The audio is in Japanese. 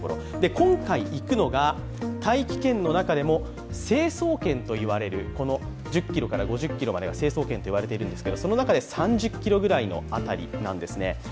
今回行くのが大気圏の中でも成層圏と言われる、１０ｋｍから５０ｋｍまでが成層圏と言われているんですけれども、その中で３０ｋｍぐらいの辺りなんですね。